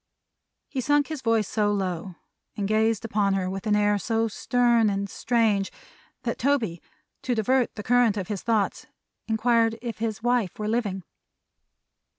He sunk his voice so low, and gazed upon her with an air so stern and strange, that Toby, to divert the current of his thoughts, inquired if his wife were living.